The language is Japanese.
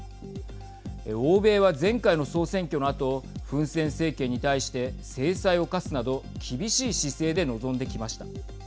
欧米は前回の総選挙のあとフン・セン政権に対して制裁を科すなど厳しい姿勢で臨んできました。